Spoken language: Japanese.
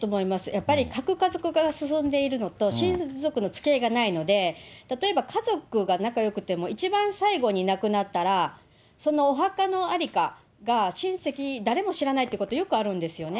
やっぱり核家族化が進んでいるのと、親族のつきあいがないので、例えば家族が仲よくても、一番最後に亡くなったら、そのお墓のありかが親戚、誰も知らないってことよくあるんですよね。